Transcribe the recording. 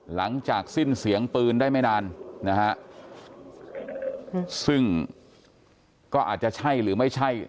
หลังจากสิ้นเสียงปืนได้ไม่นานนะฮะซึ่งก็อาจจะใช่หรือไม่ใช่